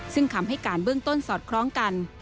ซึ่งคำให้การเบื้องต้นสอดคล้องกัน